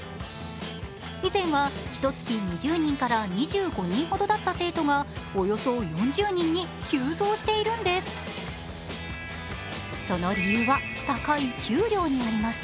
以前はひとつき２０人から２５人ほどだった生徒がおよそ４０人に急増しているんです。